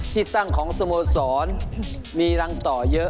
ที่ตั้งของสโมสรมีรังต่อเยอะ